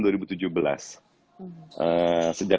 sejak saat itu kita pengen